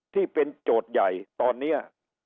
ที่เป็นโจทย์ใหญ่ตอนนี้